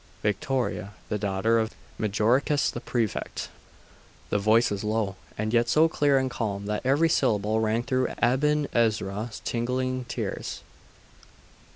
'Victoria, the daughter of Majoricus the Prefect.' The voice was low, but yet so clear and calm, that every syllable rang through Aben Ezra's tingling ears....